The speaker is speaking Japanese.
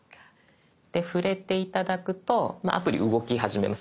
触れて頂くとアプリ動き始めます。